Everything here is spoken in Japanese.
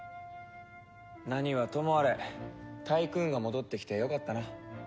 何はともあれタイクーンが戻ってきてよかったな。